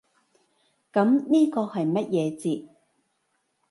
噉呢個係乜嘢字？